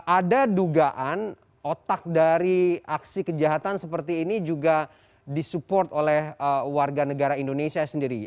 ada dugaan otak dari aksi kejahatan seperti ini juga disupport oleh warga negara indonesia sendiri